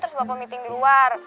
terus bapak meeting di luar